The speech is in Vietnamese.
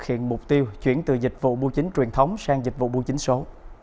hiện mục tiêu chuyển từ dịch vụ bưu chính truyền thống sang dịch vụ bưu chính số